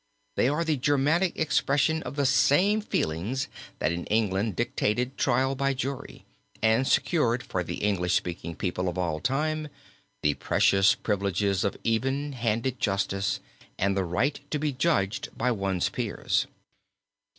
They are the German expression of the same feelings that in England dictated trial by jury, and secured for the English speaking people of all time the precious privileges of even handed justice and the right to be judged by one's peers.